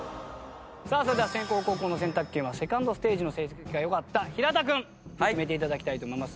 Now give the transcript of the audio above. さあそれでは先攻後攻の選択権はセカンドステージの成績が良かった平田君に決めて頂きたいと思います。